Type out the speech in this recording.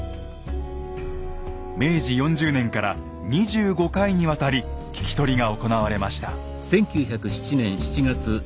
明治４０年から２５回にわたり聞き取りが行われました。